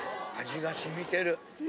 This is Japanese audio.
味がしみてる。